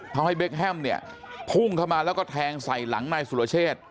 ทำให้เบคแฮมเนี่ยพุ่งเข้ามาแล้วก็แทงใส่หลังนายสุรเชษ